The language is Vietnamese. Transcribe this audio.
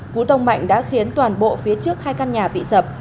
cú tông mạnh đã khiến toàn bộ phía trước hai căn nhà bị sập